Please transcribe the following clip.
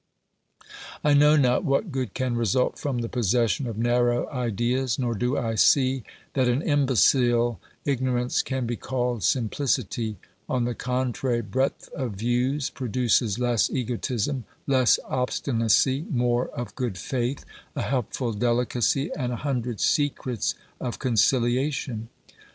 I know not what good can result from the possession of narrow ideas, nor do I see that an imbecile ignorance can be called simplicity ; on the contrary, breadth of views produces less egotism, less obstinacy, more of good faith, a helpful delicacy, and a hundred secrets of conciliation.